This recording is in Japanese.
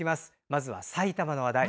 まずは、埼玉の話題。